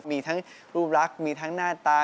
มีทั้งรูปรักมีทั้งหน้าตา